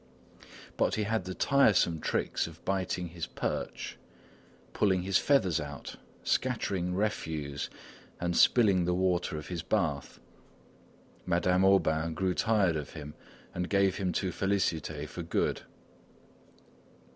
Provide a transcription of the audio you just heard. But he had the tiresome tricks of biting his perch, pulling his feathers out, scattering refuse and spilling the water of his bath. Madame Aubain grew tired of him and gave him to Félicité for good.